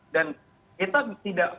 dan kita tidak